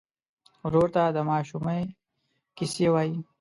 ورور ته د ماشومۍ کیسې وایې.